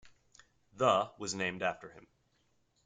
The was named after him.